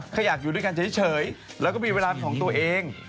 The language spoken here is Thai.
แค่อยากอยู่ด้วยกันเฉยแล้วก็มีเวลาเป็นของตัวเอง